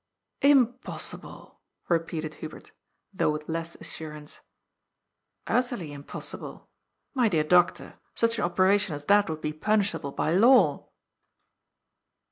" Impossible," repeated Hubert, though with less assur ance. "Utterly impossible. My dear Doctor, such an operation as that would be punishable by law."